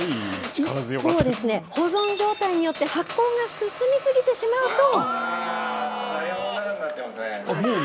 一方、保存状態によって発酵が進み過ぎてしまうと。